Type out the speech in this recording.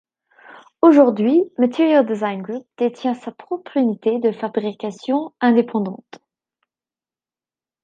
Aujourd'hui, Material Design Group détient sa propre unité de fabrication indépendante.